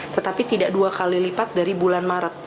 tetapi tidak dua kali lipat dari bulan maret